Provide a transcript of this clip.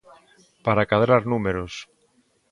Para cadrar números.